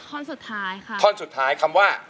ท่อนสุดท้ายค่ะท่อนสุดท้ายคำว่า